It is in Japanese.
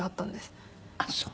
あっそう！